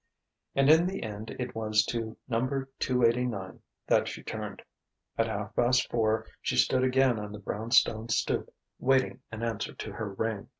And in the end it was to Number 289 that she turned. At half past four she stood again on the brown stone stoop, waiting an answer to her ring.